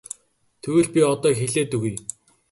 Тэгвэл би одоо хэлээд өгье.